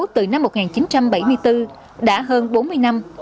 bảo vệ dân phố từ năm một nghìn chín trăm bảy mươi bốn đã hơn bốn mươi năm